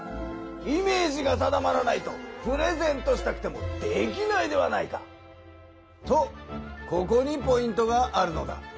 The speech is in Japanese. イメージが定まらないとプレゼントしたくてもできないではないか。とここにポイントがあるのだ。